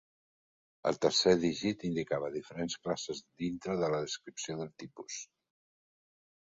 El tercer dígit indicava diferents classes dintre de la descripció del tipus.